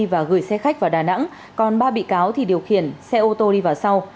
và gửi xe khách vào đà nẵng còn ba bị cáo thì điều khiển xe ô tô đi vào sau